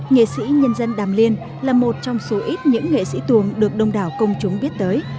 nghệ sĩ nhân dân đàm liên là một trong số ít những nghệ sĩ tuồng được đông đảo công chúng biết tới